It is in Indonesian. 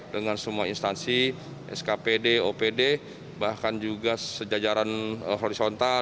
dengan semua instansi skpd opd bahkan juga sejajaran horizontal